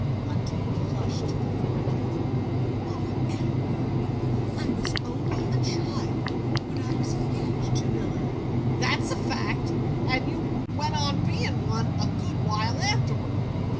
Undine flushed to the forehead. "Oh, Elmer I was only a child when I was engaged to Millard " "That's a fact. And you went on being one a good while afterward.